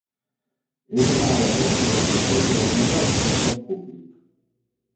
He d'anar a la plaça del Consell de la Vila amb trasport públic.